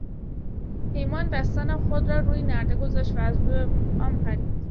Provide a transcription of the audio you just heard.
پیمان دستان خود را روی نرده گذاشت و از روی آن پرید.